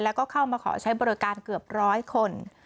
แล้วก็เข้ามาขอใช้บริการเกือบร้อยคน